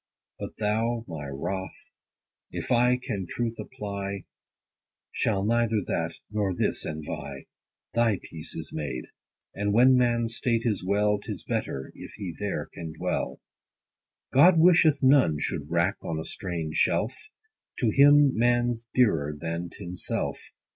But thou, my Wroth, if I can truth apply, Shalt neither that, nor this envy : Thy peace is made ; and when man's state is well, 'Tis better, if he there can dwell. God wisheth none should wrack on a strange shelf : To him man's dearer, than t' himself.